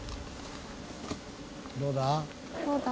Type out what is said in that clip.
どうだ？